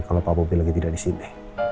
kalau pak bobi lagi tidak di sini